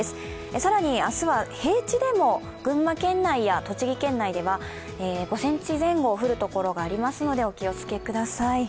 更に明日は平地でも群馬県内や栃木県内では５ｃｍ前後降るところがありますのでお気をつけください。